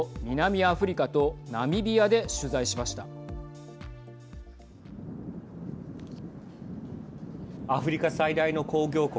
アフリカ最大の工業国